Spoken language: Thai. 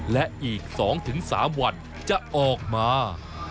และอีก๒๓วันจะออกมา